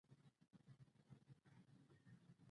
ایمان زړه ته سکون ورکوي